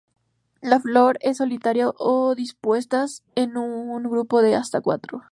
La flor es solitaria o dispuestas en un grupo de hasta cuatro.